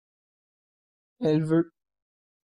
elle veut.